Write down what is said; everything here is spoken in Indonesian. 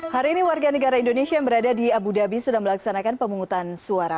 hari ini warga negara indonesia yang berada di abu dhabi sedang melaksanakan pemungutan suara